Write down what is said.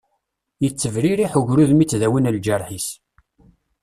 Yettebririḥ ugrud mi ttdawin iǧerḥ-is.